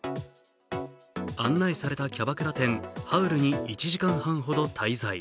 案内されたキャバクラ店ハウルに１時間半ほど滞在。